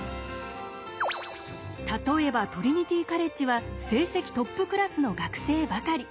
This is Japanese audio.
例えばトリニティ・カレッジは成績トップクラスの学生ばかり。